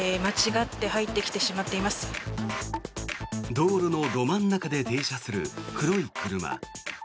道路のど真ん中で停車する黒い車。